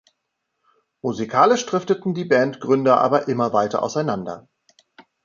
Musikalisch drifteten die Bandgründer aber immer weiter auseinander.